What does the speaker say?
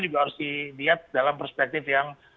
juga harus dilihat dalam perspektif yang